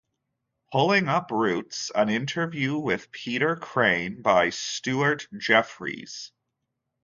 "Pulling up roots" an interview with Peter Crane by Stuart Jeffries.